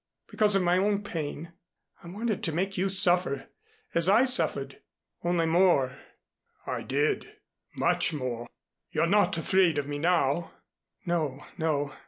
"Because of my own pain. I wanted to make you suffer as I suffered only more." "I did. Much more. You're not afraid of me now?" "No, no.